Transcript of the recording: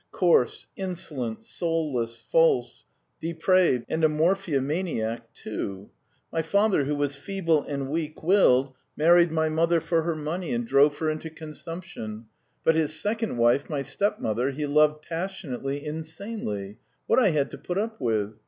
Coarse, insolent, soulless, false, depraved, and a morphia maniac too. My father, who was feeble and weak willed, married my mother for her money and drove her into consumption; but his second wife, my stepmother, he loved passionately, insanely. ... What I had to put up with!